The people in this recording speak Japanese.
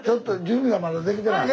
準備がまだできてない？